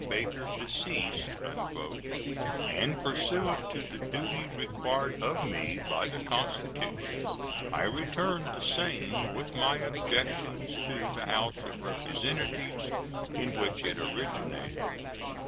Baker, deceased," and, pursuant to the duty required of me by the Constitution, I return the same with my objections to the House of Representatives, in which it originated.